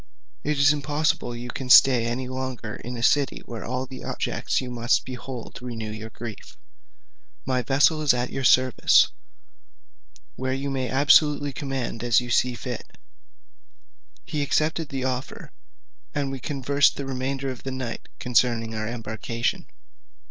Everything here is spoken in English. It is impossible you can stay any longer in a city where all the objects you behold must renew your grief: my vessel is at your service, where you may absolutely command as you shall think fit." He accepted the offer, and we conversed the remainder of the night concerning our embarkation.